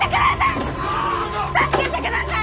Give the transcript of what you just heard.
助けてください！